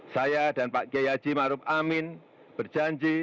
saya dan pak gaya haji ma'ruf amin berjanji